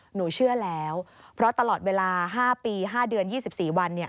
หนูเชื่อแล้วเพราะตลอดเวลา๕ปี๕เดือน๒๔วัน